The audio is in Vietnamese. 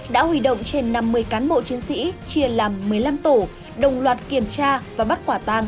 đã huy động trên năm mươi cán bộ chiến sĩ chia làm một mươi năm tổ đồng loạt kiểm tra và bắt quả tang